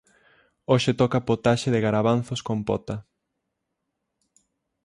Hoxe toca potaxe de garavanzos con pota.